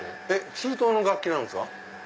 中東の楽器なんですか？